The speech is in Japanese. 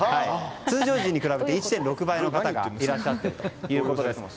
通常時に比べて１．６倍の方がいらっしゃっているということで。